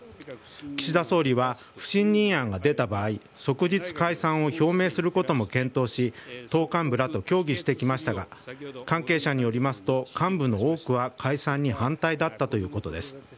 岸田総理は不信任案が出た場合即日解散を表明することも検討し党幹部らと協議してきましたが関係者によりますと幹部の多くは解散に反対だったということです。